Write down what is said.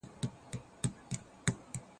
د بدر غزا.